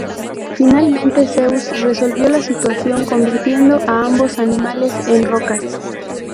Finalmente Zeus resolvió la situación convirtiendo a ambos animales en rocas.